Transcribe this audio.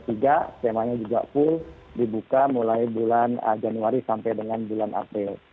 skemanya juga full dibuka mulai bulan januari sampai dengan bulan april